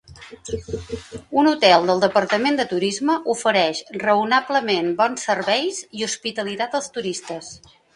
Un hotel del departament de turisme ofereix raonablement bons serveis i hospitalitat als turistes.